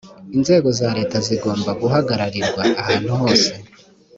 inzego za leta zigomba guhagararirwa ahantuhose.